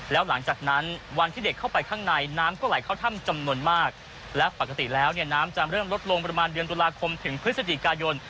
แล้วหลังจากนั้นวันที่เด็กเข้าไปข้างในน้ำก็ไหลเข้าถ้ำจำนวนมากและปกติแล้วเนี่ยน้ำจะเริ่มลดลงประมาณเดือนตุลาคมถึงพฤศจิกายน